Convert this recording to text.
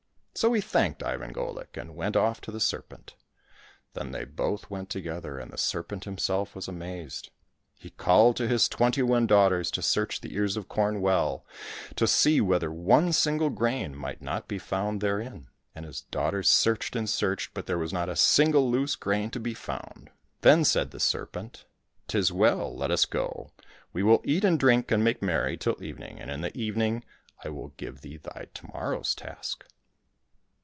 So he thanked Ivan Golik, and went off to the serpent. Then they both went together, and the serpent himself was amazed. He called to his twenty one daughters to search the ears of corn well to see whether one single grain might not be found therein, and his daughters searched and searched, but there was not a single loose grain to be found. Then said the serpent, " 'Tis well, let us go ! We will eat and drink and make merry till evening, and in the evening I will give thee thy to morrow's task."